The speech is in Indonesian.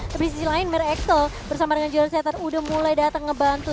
tapi di sisi lain mary axel bersama dengan juror zr udah mulai datang ngebantu